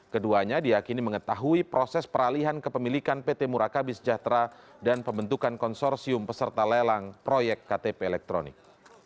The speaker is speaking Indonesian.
keduanya diakini mengetahui proses peralihan kepemilikan pt murakabi sejahtera dan pembentukan konsorsium peserta lelang proyek ktp elektronik